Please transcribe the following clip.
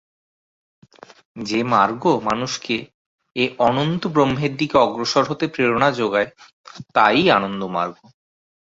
যে মার্গ মানুষকে এ অনন্ত ব্রহ্মের দিকে অগ্রসর হতে প্রেরণা জোগায় তা-ই আনন্দমার্গ।